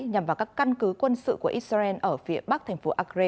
nhằm vào các căn cứ quân sự của israel ở phía bắc thành phố akre